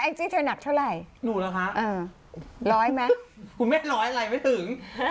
จี้เธอหนักเท่าไหร่หนูเหรอคะร้อยไหมคุณแม่ร้อยอะไรไม่ถึง